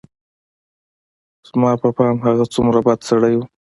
زما په پام هغه څومره بد سړى و.